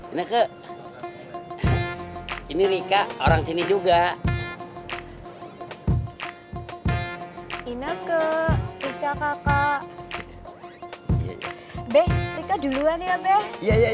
ini ke ini rika orang sini juga inek ke kita kakak bekerja duluan ya beb ya ya